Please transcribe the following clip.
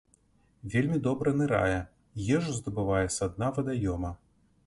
Вельмі добра нырае, ежу здабывае са дна вадаёма.